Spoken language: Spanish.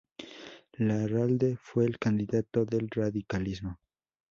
Larralde fue el candidato del radicalismo.